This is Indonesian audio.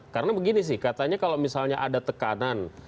karena begini sih katanya kalau misalnya ada tekanan